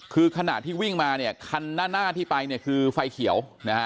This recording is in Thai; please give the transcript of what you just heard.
คือขณะที่วิ่งมาขันหน้าที่ไปคือไฟเขียว